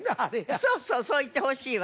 そうそうそう言ってほしいわ。